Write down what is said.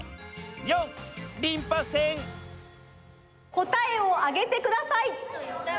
こたえをあげてください！